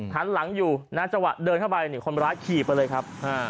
หันหลังอยู่นะจังหวะเดินเข้าไปคนร้ายขี่ไปเลยครับ